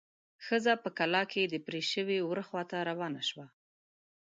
ښځه په کلا کې د پرې شوي وره خواته روانه شوه.